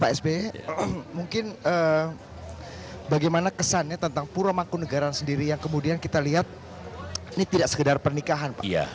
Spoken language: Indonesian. pak sby mungkin bagaimana kesannya tentang pura mangkunagaran sendiri yang kemudian kita lihat ini tidak sekedar pernikahan pak